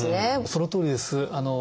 そのとおりです。